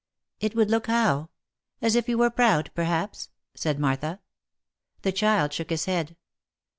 " It would look, how ?— as if you were proud, perhaps ?" said Martha. The child shook his head.